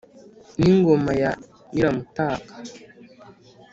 n'ingoma ya nyiramutaga,